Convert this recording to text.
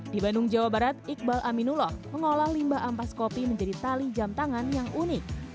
di bandung jawa barat iqbal aminullah mengolah limbah ampas kopi menjadi tali jam tangan yang unik